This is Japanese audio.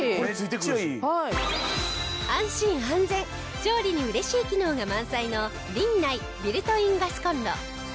安心安全調理に嬉しい機能が満載のリンナイビルトインガスコンロ。